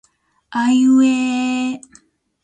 あいうえええええええ